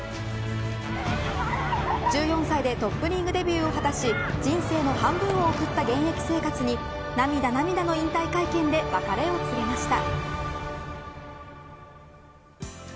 １４歳でトップリーグデビューを果たし人生の半分を送った現役生活に涙涙の引退会見で別れを告げました。